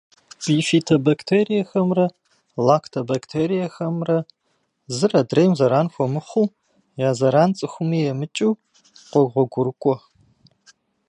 Бифидобактериехэмрэ лактобактериехэмрэ зыр адрейм зэран хуэмыхъуу, я зэран цӏыхуми емыкӏыу къогъуэгурыкӏуэ.